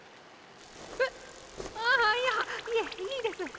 えっ⁉あいやいえいいです。